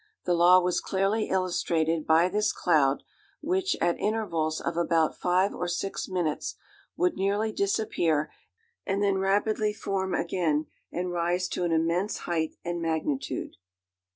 The law was clearly illustrated by this cloud, which, at intervals of about five or six minutes, would nearly disappear and then rapidly form again and rise to an immense height and magnitude.